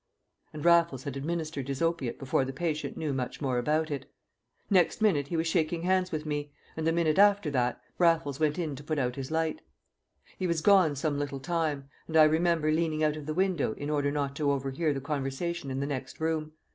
And Raffles had administered his opiate before the patient knew much more about it; next minute he was shaking hands with me, and the minute after that Raffles went in to put out his light. He was gone some little time; and I remember leaning out of the window in order not to overhear the conversation in the next room.